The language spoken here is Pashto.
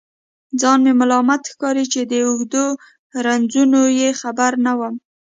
ځان مې ملامت ښکاري چې د اوږدو رنځونو یې خبر نه وم.